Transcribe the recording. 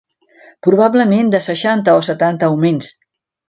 Probablement de seixanta o setanta augments